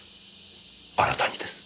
あなたにです。